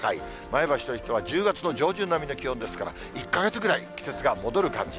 前橋としては１０月の上旬並みの気温ですから、１か月ぐらい季節が戻る感じ。